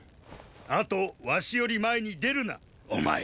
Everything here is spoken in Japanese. あとワシより前に出るなお前。